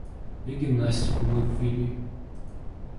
И гимнастику мы ввели.